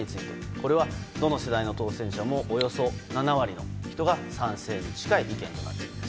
これは、どの世代の当選者もおよそ７割の人が賛成に近い意見となっています。